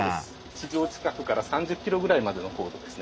地上近くから３０ｋｍぐらいまでの高度ですね。